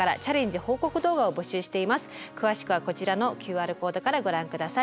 詳しくはこちらのＱＲコードからご覧ください。